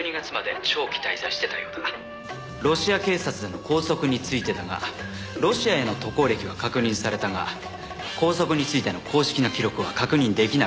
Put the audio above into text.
ロシア警察での拘束についてだがロシアへの渡航歴は確認されたが拘束についての公式な記録は確認出来なかった。